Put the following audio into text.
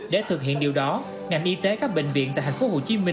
để thực hiện điều đó ngành y tế các bệnh viện tại tp hcm